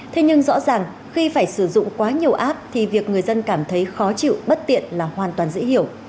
thế nhưng rõ ràng khi phải sử dụng quá nhiều app thì việc người dân cảm thấy khó chịu bất tiện là hoàn toàn dễ hiểu